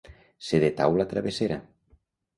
Ser de taula travessera.